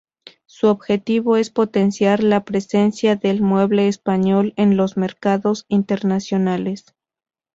Su objetivo es potenciar la presencia del mueble español en los mercados internacionales.